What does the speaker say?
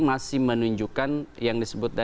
masih menunjukkan yang disebut